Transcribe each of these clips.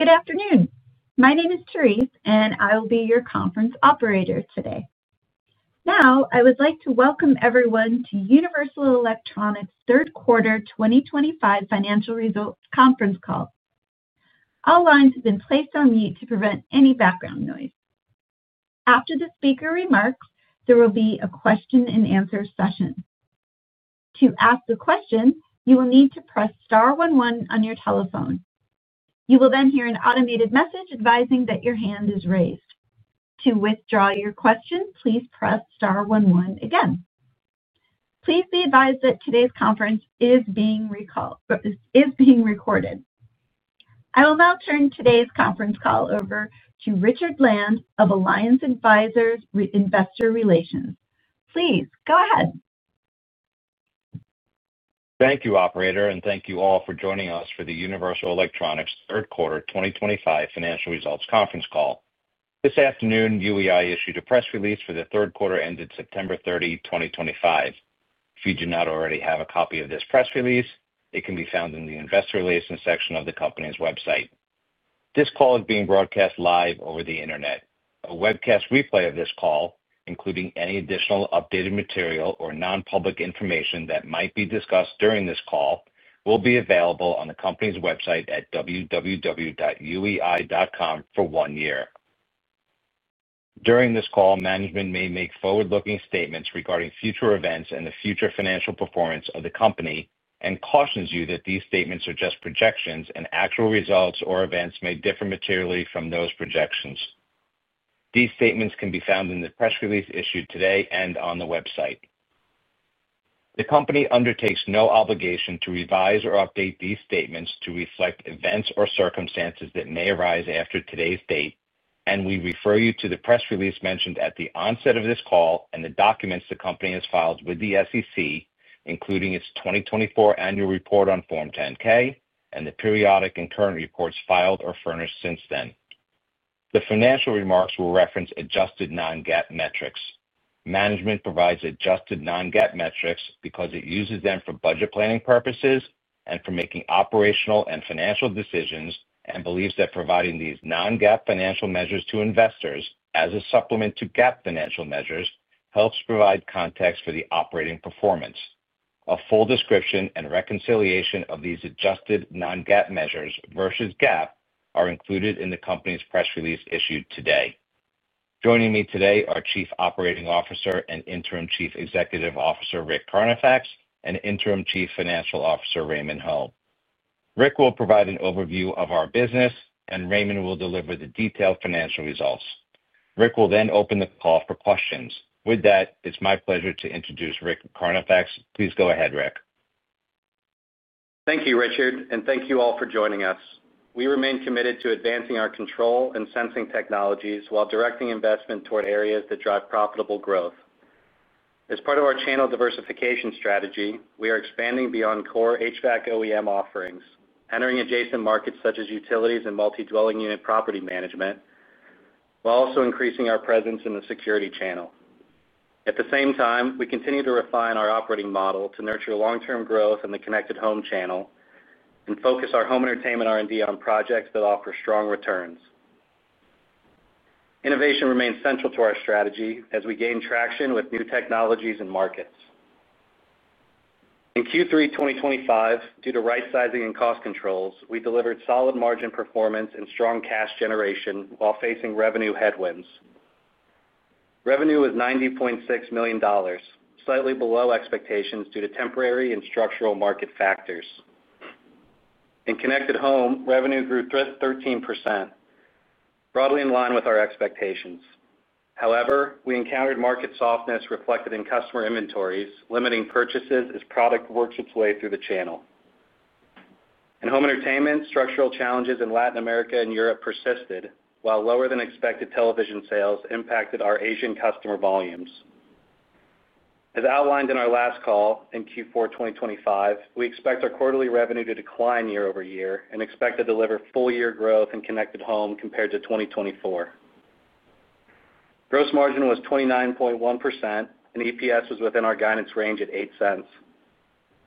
Good afternoon. My name is Therese, and I will be your conference operator today. Now, I would like to welcome everyone to Universal Electronics' Third Quarter 2025 Financial Results Conference Call. All lines have been placed on mute to prevent any background noise. After the speaker remarks, there will be a question-and-answer session. To ask a question, you will need to press star one one on your telephone. You will then hear an automated message advising that your hand is raised. To withdraw your question, please press star one one again. Please be advised that today's conference is being recorded. I will now turn today's conference call over to Richard Land of Alliance Advisors Investor Relations. Please go ahead. Thank you, Operator, and thank you all for joining us for the Universal Electronics Third Quarter 2025 Financial Results Conference Call. This afternoon, UEI issued a press release for the third quarter ended September 30, 2025. If you do not already have a copy of this press release, it can be found in the Investor Relations section of the company's website. This call is being broadcast live over the internet. A webcast replay of this call, including any additional updated material or non-public information that might be discussed during this call, will be available on the company's website at www.uei.com for one year. During this call, management may make forward-looking statements regarding future events and the future financial performance of the company and cautions you that these statements are just projections, and actual results or events may differ materially from those projections. These statements can be found in the press release issued today and on the website. The company undertakes no obligation to revise or update these statements to reflect events or circumstances that may arise after today's date, and we refer you to the press release mentioned at the onset of this call and the documents the company has filed with the SEC, including its 2024 annual report on Form 10-K and the periodic and current reports filed or furnished since then. The financial remarks will reference adjusted non-GAAP metrics. Management provides adjusted non-GAAP metrics because it uses them for budget planning purposes and for making operational and financial decisions and believes that providing these non-GAAP financial measures to investors as a supplement to GAAP financial measures helps provide context for the operating performance. A full description and reconciliation of these adjusted non-GAAP measures versus GAAP are included in the company's press release issued today. Joining me today are Chief Operating Officer and Interim Chief Executive Officer Rick Carnifax and Interim Chief Financial Officer Raymond Ho. Rick will provide an overview of our business, and Raymond will deliver the detailed financial results. Rick will then open the call for questions. With that, it's my pleasure to introduce Rick Carnifax. Please go ahead, Rick. Thank you, Richard, and thank you all for joining us. We remain committed to advancing our control and sensing technologies while directing investment toward areas that drive profitable growth. As part of our channel diversification strategy, we are expanding beyond core HVAC OEM offerings, entering adjacent markets such as utilities and multi-dwelling unit property management, while also increasing our presence in the security channel. At the same time, we continue to refine our operating model to nurture long-term growth in the connected home channel and focus our home entertainment R&D on projects that offer strong returns. Innovation remains central to our strategy as we gain traction with new technologies and markets. In Q3 2025, due to right-sizing and cost controls, we delivered solid margin performance and strong cash generation while facing revenue headwinds. Revenue was $90.6 million, slightly below expectations due to temporary and structural market factors. In connected home, revenue grew 13%. Broadly in line with our expectations. However, we encountered market softness reflected in customer inventories, limiting purchases as product works its way through the channel. In home entertainment, structural challenges in Latin America and Europe persisted, while lower-than-expected television sales impacted our Asian customer volumes. As outlined in our last call in Q4 2025, we expect our quarterly revenue to decline year over year and expect to deliver full-year growth in connected home compared to 2024. Gross margin was 29.1%, and EPS was within our guidance range at $0.08.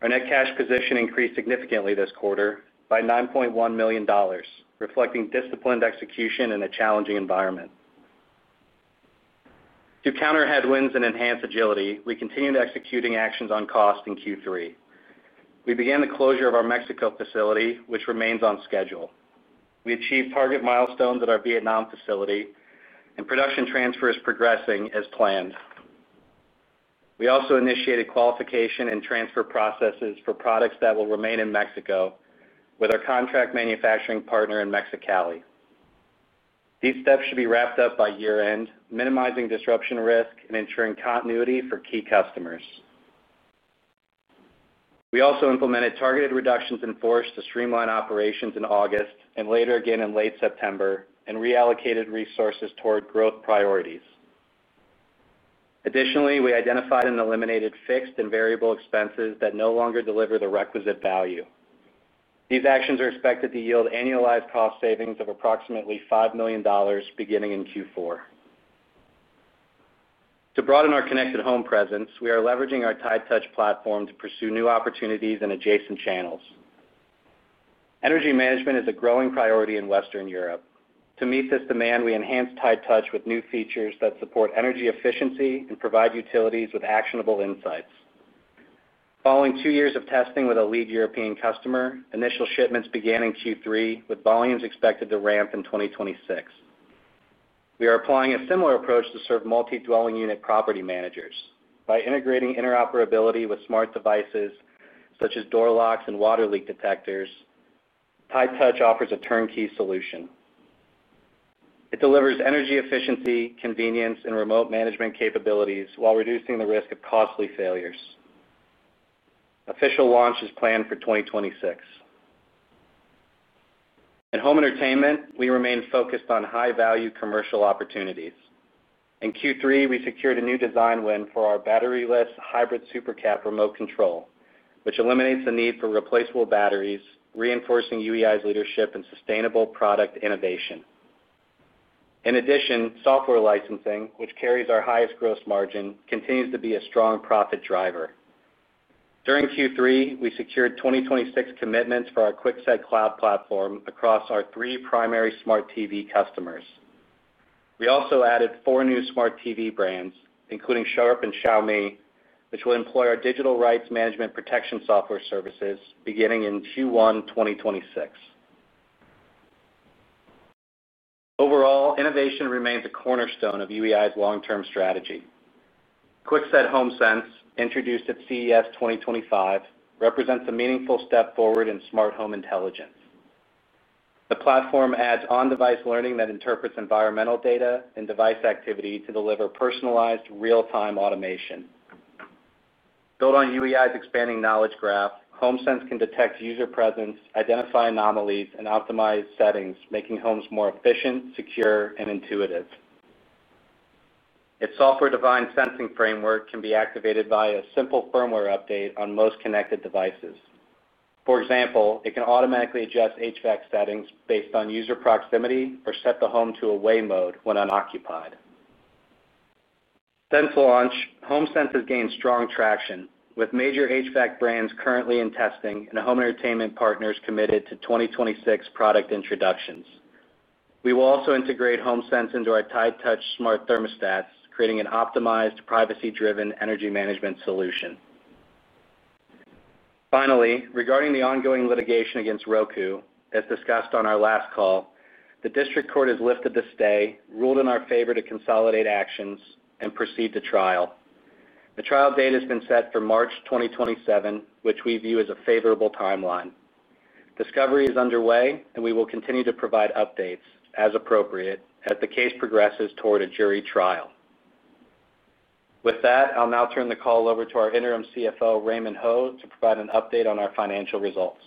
Our net cash position increased significantly this quarter by $9.1 million, reflecting disciplined execution in a challenging environment. To counter headwinds and enhance agility, we continue executing actions on cost in Q3. We began the closure of our Mexico facility, which remains on schedule. We achieved target milestones at our Vietnam facility, and production transfer is progressing as planned. We also initiated qualification and transfer processes for products that will remain in Mexico with our contract manufacturing partner in Mexicali. These steps should be wrapped up by year-end, minimizing disruption risk and ensuring continuity for key customers. We also implemented targeted reductions in force to streamline operations in August and later again in late September, and reallocated resources toward growth priorities. Additionally, we identified and eliminated fixed and variable expenses that no longer deliver the requisite value. These actions are expected to yield annualized cost savings of approximately $5 million beginning in Q4. To broaden our connected home presence, we are leveraging our TIDE Touch platform to pursue new opportunities in adjacent channels. Energy management is a growing priority in Western Europe. To meet this demand, we enhanced TIDE Touch with new features that support energy efficiency and provide utilities with actionable insights. Following two years of testing with a lead European customer, initial shipments began in Q3, with volumes expected to ramp in 2026. We are applying a similar approach to serve multi-dwelling unit property managers. By integrating interoperability with smart devices such as door locks and water leak detectors, TIDE Touch offers a turnkey solution. It delivers energy efficiency, convenience, and remote management capabilities while reducing the risk of costly failures. Official launch is planned for 2026. In home entertainment, we remain focused on high-value commercial opportunities. In Q3, we secured a new design win for our battery-less hybrid supercap remote control, which eliminates the need for replaceable batteries, reinforcing UEI's leadership in sustainable product innovation. In addition, software licensing, which carries our highest gross margin, continues to be a strong profit driver. During Q3, we secured 2026 commitments for our QuickSet Cloud platform across our three primary smart TV customers. We also added four new smart TV brands, including Sharp and Xiaomi, which will employ our digital rights management protection software services beginning in Q1 2026. Overall, innovation remains a cornerstone of UEI's long-term strategy. QuickSet homeSense, introduced at CES 2025, represents a meaningful step forward in smart home intelligence. The platform adds on-device learning that interprets environmental data and device activity to deliver personalized, real-time automation. Built on UEI's expanding knowledge graph, homeSense can detect user presence, identify anomalies, and optimize settings, making homes more efficient, secure, and intuitive. Its software-defined sensing framework can be activated via a simple firmware update on most connected devices. For example, it can automatically adjust HVAC settings based on user proximity or set the home to away mode when unoccupied. Since launch, homeSense has gained strong traction, with major HVAC brands currently in testing and home entertainment partners committed to 2026 product introductions. We will also integrate homeSense into our TIDE Touch smart thermostats, creating an optimized, privacy-driven energy management solution. Finally, regarding the ongoing litigation against Roku, as discussed on our last call, the district court has lifted the stay, ruled in our favor to consolidate actions, and proceed to trial. The trial date has been set for March 2027, which we view as a favorable timeline. Discovery is underway, and we will continue to provide updates as appropriate as the case progresses toward a jury trial. With that, I'll now turn the call over to our Interim CFO, Raymond Ho, to provide an update on our financial results.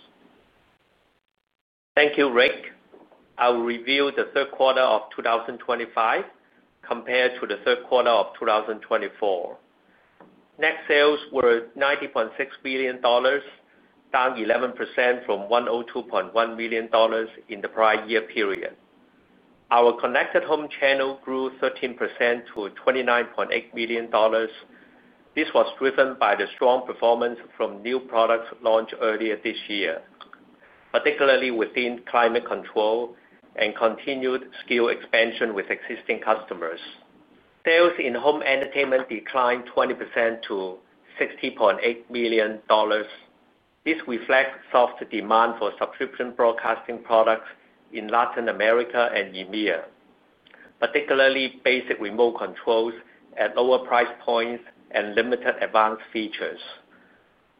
Thank you, Rick. I will review the third quarter of 2025 compared to the third quarter of 2024. Net sales were $90.6 million, down 11% from $102.1 million in the prior year period. Our connected home channel grew 13% to $29.8 million. This was driven by the strong performance from new products launched earlier this year, particularly within climate control and continued skill expansion with existing customers. Sales in home entertainment declined 20% to $60.8 million. This reflects soft demand for subscription broadcasting products in Latin America and EMEA, particularly basic remote controls at lower price points and limited advanced features.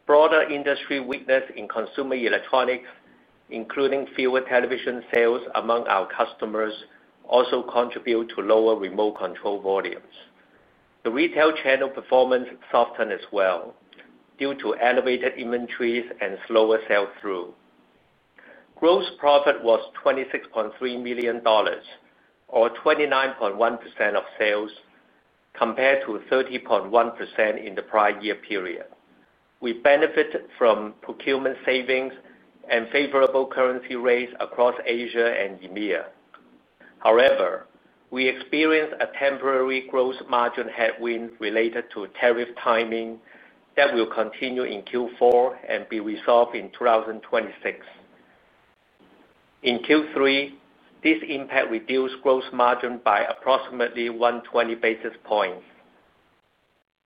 Broader industry weakness in consumer electronics, including fewer television sales among our customers, also contributes to lower remote control volumes. The retail channel performance softened as well due to elevated inventories and slower sell-through. Gross profit was $26.3 million. Or 29.1% of sales, compared to 30.1% in the prior year period. We benefited from procurement savings and favorable currency rates across Asia and EMEA. However, we experienced a temporary gross margin headwind related to tariff timing that will continue in Q4 and be resolved in 2026. In Q3, this impact reduced gross margin by approximately 120 basis points.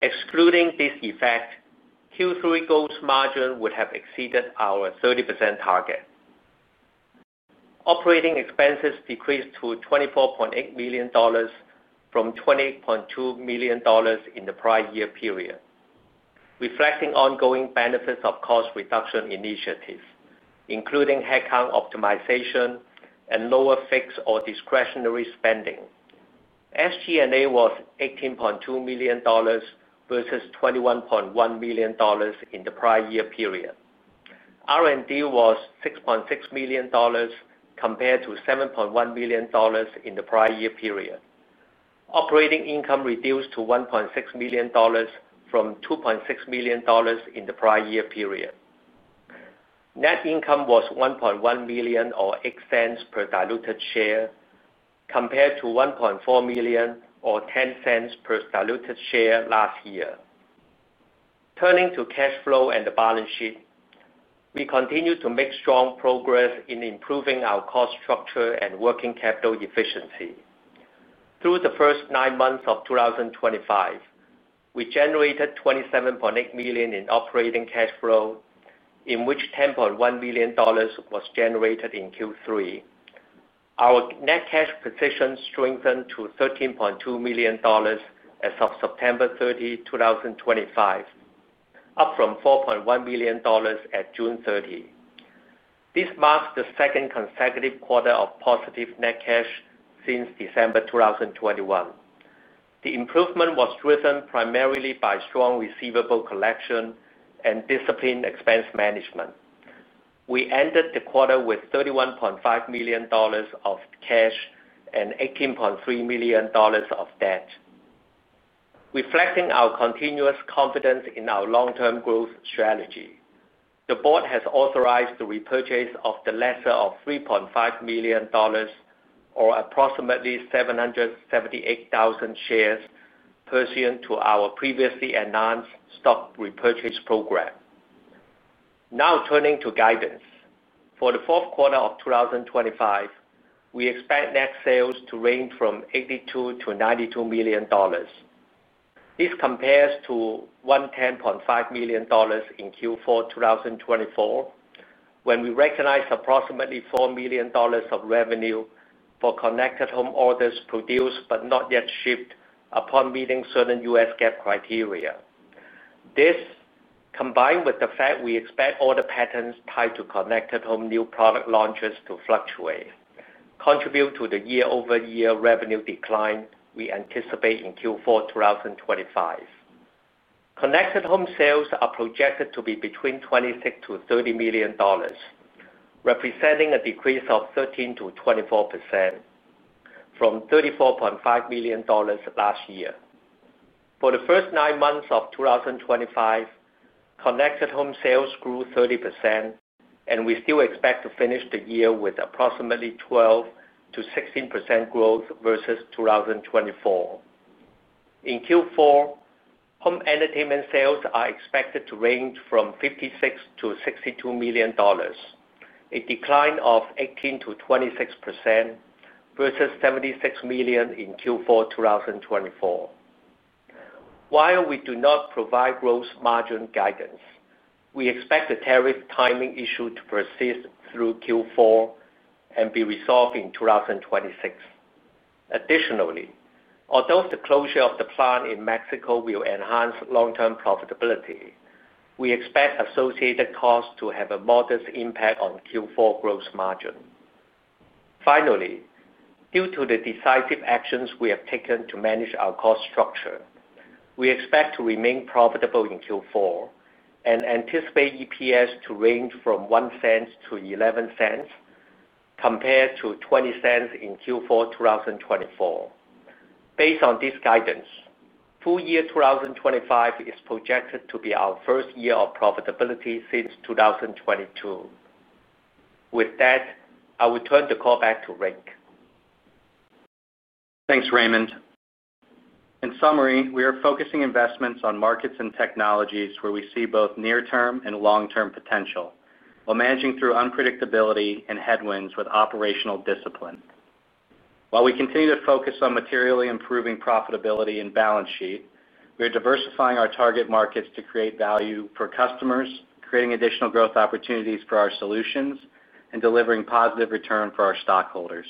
Excluding this effect, Q3 gross margin would have exceeded our 30% target. Operating expenses decreased to $24.8 million from $28.2 million in the prior year period. Reflecting ongoing benefits of cost reduction initiatives, including headcount optimization and lower fixed or discretionary spending. SG&A was $18.2 million. Versus $21.1 million in the prior year period. R&D was $6.6 million. Compared to $7.1 million in the prior year period. Operating income reduced to $1.6 million from $2.6 million in the prior year period. Net income was $1.1 million or $0.08 per diluted share compared to $1.4 million or $0.10 per diluted share last year. Turning to cash flow and the balance sheet, we continue to make strong progress in improving our cost structure and working capital efficiency. Through the first nine months of 2025, we generated $27.8 million in operating cash flow, in which $10.1 million was generated in Q3. Our net cash position strengthened to $13.2 million as of September 30, 2025, up from $4.1 million at June 30. This marks the second consecutive quarter of positive net cash since December 2021. The improvement was driven primarily by strong receivable collection and disciplined expense management. We ended the quarter with $31.5 million of cash and $18.3 million of debt. Reflecting our continuous confidence in our long-term growth strategy, the board has authorized the repurchase of the lesser of $3.5 million. Or approximately 778,000 shares pursuant to our previously announced stock repurchase program. Now turning to guidance. For the fourth quarter of 2025, we expect net sales to range from $82 million-$92 million. This compares to $110.5 million in Q4 2024. When we recognize approximately $4 million of revenue for connected home orders produced but not yet shipped upon meeting certain U.S. GAAP criteria. This, combined with the fact we expect order patterns tied to connected home new product launches to fluctuate, contribute to the year-over-year revenue decline we anticipate in Q4 2025. Connected home sales are projected to be between $26 million-$30 million. Representing a decrease of 13%-24%. From $34.5 million last year. For the first nine months of 2025. Connected home sales grew 30%, and we still expect to finish the year with approximately 12%-16% growth versus 2024. In Q4, home entertainment sales are expected to range from $56 million-$62 million, a decline of 18%-26% versus $76 million in Q4 2024. While we do not provide gross margin guidance, we expect the tariff timing issue to persist through Q4 and be resolved in 2026. Additionally, although the closure of the plant in Mexico will enhance long-term profitability, we expect associated costs to have a modest impact on Q4 gross margin. Finally, due to the decisive actions we have taken to manage our cost structure, we expect to remain profitable in Q4 and anticipate EPS to range from $0.01-$0.11, compared to $0.20 in Q4 2024. Based on this guidance, full year 2025 is projected to be our first year of profitability since 2022. With that, I will turn the call back to Rick. Thanks, Raymond. In summary, we are focusing investments on markets and technologies where we see both near-term and long-term potential while managing through unpredictability and headwinds with operational discipline. While we continue to focus on materially improving profitability and balance sheet, we are diversifying our target markets to create value for customers, creating additional growth opportunities for our solutions, and delivering positive return for our stockholders.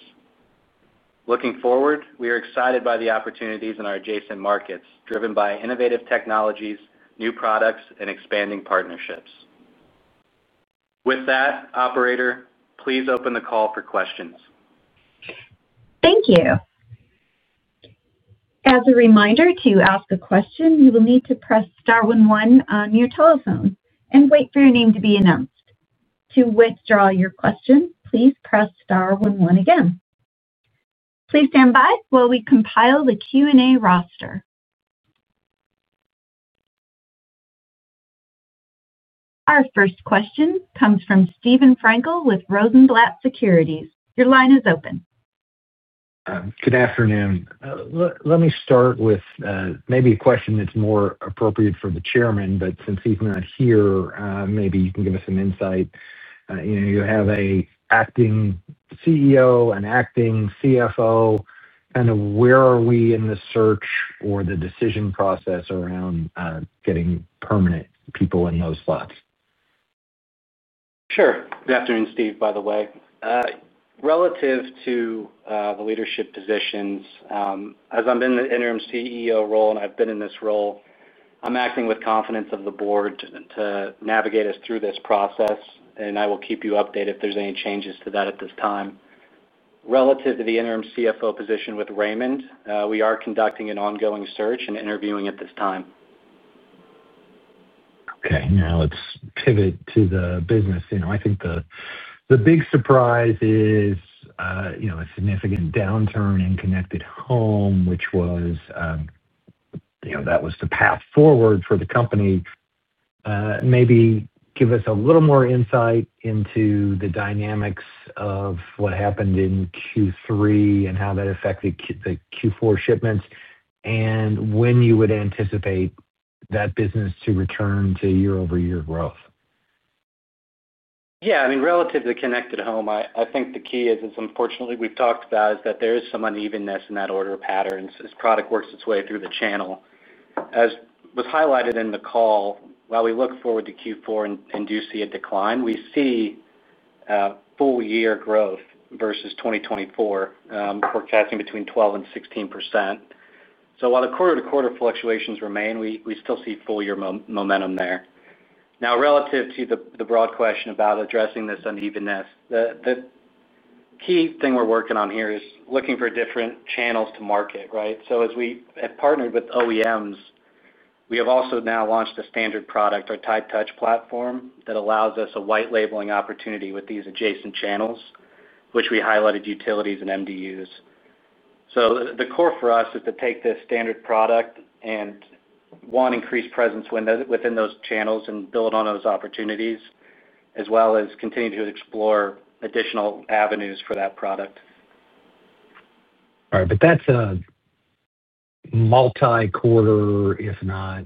Looking forward, we are excited by the opportunities in our adjacent markets driven by innovative technologies, new products, and expanding partnerships. With that, Operator, please open the call for questions. Thank you. As a reminder to ask a question, you will need to press star one one on your telephone and wait for your name to be announced. To withdraw your question, please press star one one again. Please stand by while we compile the Q&A roster. Our first question comes from Stephen Frankel with Rosenblatt Securities. Your line is open. Good afternoon. Let me start with maybe a question that's more appropriate for the Chairman, but since he's not here, maybe you can give us some insight. You have an acting CEO, an acting CFO. Kind of where are we in the search or the decision process around getting permanent people in those slots? Sure. Good afternoon, Steve, by the way. Relative to the leadership positions, as I've been in the interim CEO role and I've been in this role, I'm acting with confidence of the board to navigate us through this process, and I will keep you updated if there's any changes to that at this time. Relative to the interim CFO position with Raymond, we are conducting an ongoing search and interviewing at this time. Okay. Now let's pivot to the business. I think the big surprise is a significant downturn in connected home, which was the path forward for the company. Maybe give us a little more insight into the dynamics of what happened in Q3 and how that affected the Q4 shipments and when you would anticipate that business to return to year-over-year growth. Yeah. I mean, relative to the connected home, I think the key is, unfortunately, we've talked about is that there is some unevenness in that order pattern as product works its way through the channel. As was highlighted in the call, while we look forward to Q4 and do see a decline, we see full year growth versus 2024. Forecasting between 12% and 16%. So while the quarter-to-quarter fluctuations remain, we still see full year momentum there. Now, relative to the broad question about addressing this unevenness, the key thing we're working on here is looking for different channels to market, right? As we have partnered with OEMs, we have also now launched a standard product, our TIDE Touch platform, that allows us a white labeling opportunity with these adjacent channels, which we highlighted utilities and MDUs. The core for us is to take this standard product and. One, increase presence within those channels and build on those opportunities, as well as continue to explore additional avenues for that product. All right. That's a multi-quarter, if not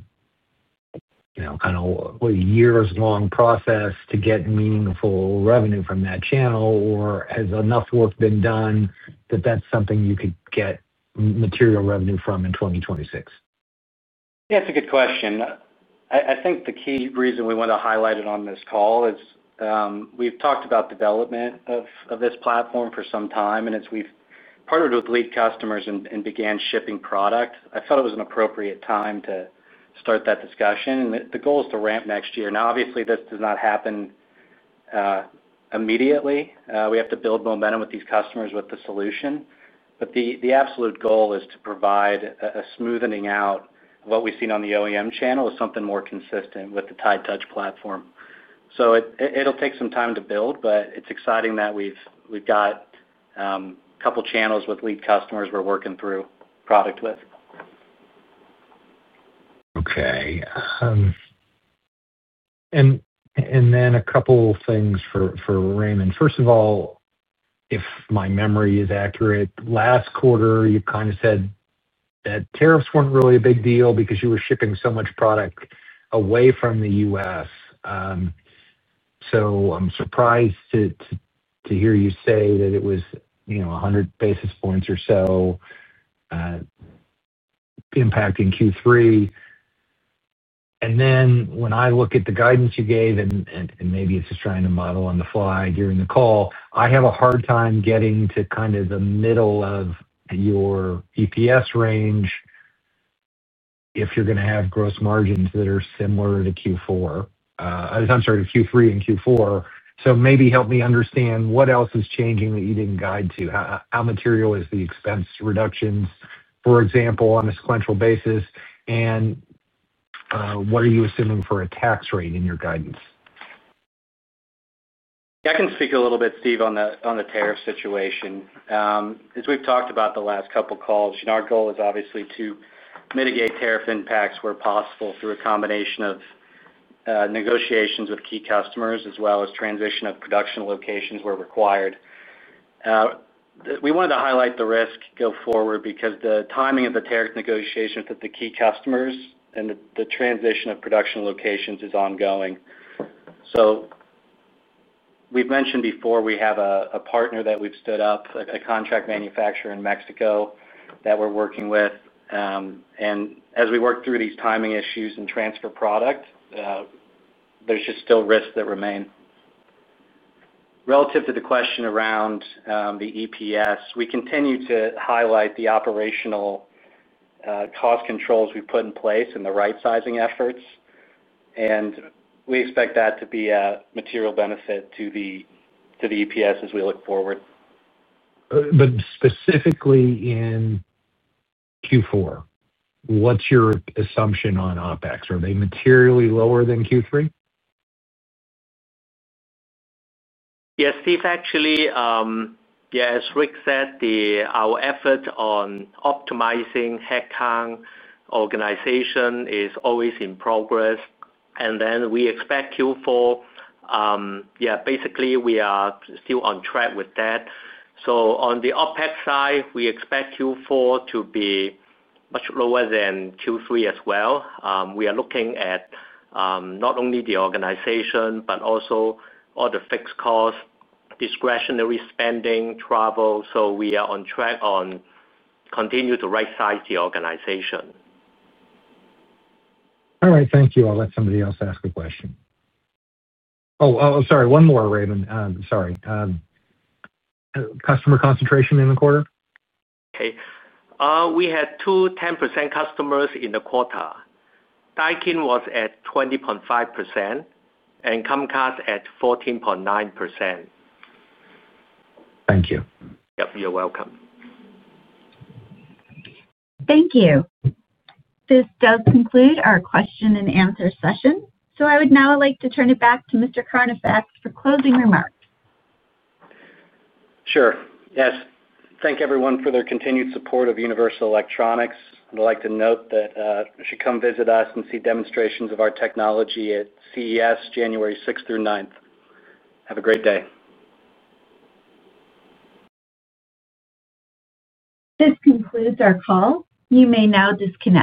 kind of a years-long process to get meaningful revenue from that channel, or has enough work been done that that's something you could get material revenue from in 2026? Yeah. It's a good question. I think the key reason we want to highlight it on this call is we've talked about development of this platform for some time, and as we've partnered with lead customers and began shipping product, I felt it was an appropriate time to start that discussion. The goal is to ramp next year. Now, obviously, this does not happen immediately. We have to build momentum with these customers with the solution. The absolute goal is to provide a smoothening out of what we've seen on the OEM channel with something more consistent with the TIDE Touch platform. It'll take some time to build, but it's exciting that we've got a couple of channels with lead customers we're working through product with. Okay. And then a couple of things for Raymond. First of all, if my memory is accurate, last quarter, you kind of said that tariffs were not really a big deal because you were shipping so much product away from the U.S. I am surprised to hear you say that it was 100 basis points or so impacting Q3. When I look at the guidance you gave, and maybe it is just trying to model on the fly during the call, I have a hard time getting to kind of the middle of your EPS range if you are going to have gross margins that are similar to Q3 and Q4. I am sorry, to Q3 and Q4. Maybe help me understand what else is changing that you did not guide to. How material is the expense reductions, for example, on a sequential basis? And. What are you assuming for a tax rate in your guidance? I can speak a little bit, Steve, on the tariff situation. As we've talked about the last couple of calls, our goal is obviously to mitigate tariff impacts where possible through a combination of negotiations with key customers as well as transition of production locations where required. We wanted to highlight the risk go forward because the timing of the tariff negotiations with the key customers and the transition of production locations is ongoing. We've mentioned before we have a partner that we've stood up, a contract manufacturer in Mexico that we're working with. As we work through these timing issues and transfer product, there's just still risks that remain. Relative to the question around the EPS, we continue to highlight the operational cost controls we put in place and the right-sizing efforts. We expect that to be a material benefit to the. EPS as we look forward. Specifically in Q4, what's your assumption on OpEx? Are they materially lower than Q3? Yes, Steve, actually. Yeah, as Rick said, our effort on optimizing headcount organization is always in progress. We expect Q4. Yeah, basically, we are still on track with that. On the OpEx side, we expect Q4 to be much lower than Q3 as well. We are looking at not only the organization, but also all the fixed costs, discretionary spending, travel. We are on track on continuing to right-size the organization. All right. Thank you. I'll let somebody else ask a question. Oh, sorry, one more, Raymond. Sorry. Customer concentration in the quarter? Okay. We had two 10% customers in the quarter. Daikin was at 20.5%, and Comcast at 14.9%. Thank you. Yep. You're welcome. Thank you. This does conclude our question and answer session. I would now like to turn it back to Mr. Carnifax for closing remarks. Sure. Yes. Thank everyone for their continued support of Universal Electronics. I'd like to note that you should come visit us and see demonstrations of our technology at CES, January 6th through 9th. Have a great day. This concludes our call. You may now disconnect.